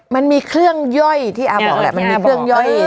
มันมีเครื่องย่อยที่อเรนนี่บอก